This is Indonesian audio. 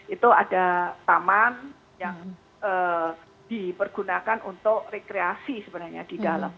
itu ada taman yang dipergunakan untuk rekreasi sebenarnya di dalam